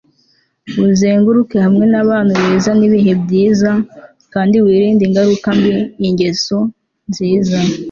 uzenguruke hamwe n'abantu beza n'ibihe byiza, kandi wirinde ingaruka mbi. - ingeso nziza